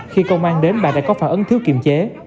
khi công an đến bà đã có phản ứng thiếu kiềm chế